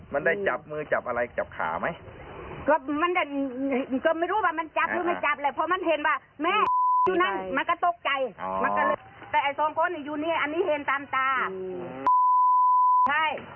มันได้จับมือจับอะไรจับขามั้ย